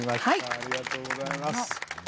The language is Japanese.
ありがとうございます。